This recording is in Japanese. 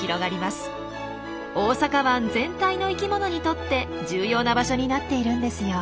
大阪湾全体の生きものにとって重要な場所になっているんですよ。